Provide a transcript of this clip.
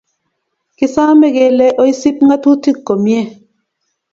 Kisame kelee oisib ngatutik komie